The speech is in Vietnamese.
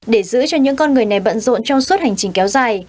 để giữ cho những con người này bận rộn trong suốt hành trình kéo dài